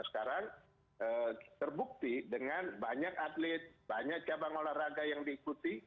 sekarang terbukti dengan banyak atlet banyak cabang olahraga yang diikuti